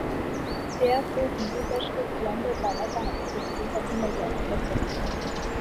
سیاح کو ہندودش کے بلند و بالا پہاڑی سلسوں کا بھی نظارہ کر سکتے ہیں ۔